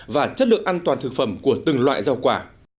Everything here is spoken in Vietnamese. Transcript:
và chất lượng an toàn thực phẩm của từng loại rau quả